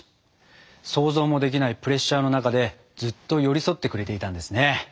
想像もできないプレッシャーの中でずっと寄り添ってくれていたんですね。